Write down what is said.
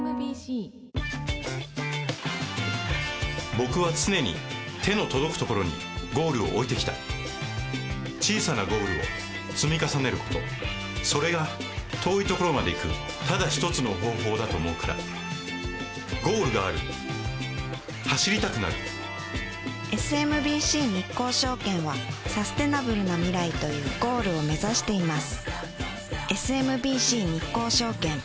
僕は常に手の届くところにゴールを置いてきた小さなゴールを積み重ねることそれが遠いところまで行くただ一つの方法だと思うからゴールがある走りたくなるＳＭＢＣ日興証券はサステナブルな未来というゴールを目指しています